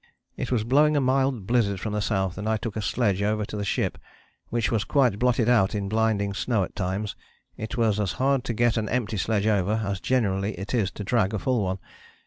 "It was blowing a mild blizzard from the south, and I took a sledge over to the ship, which was quite blotted out in blinding snow at times. It was as hard to get an empty sledge over, as generally it is to drag a full one.